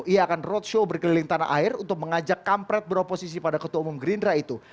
ia akan roadshow berkeliling tanah air untuk mengajak kampret beroposisi pada ketua umum gerindra itu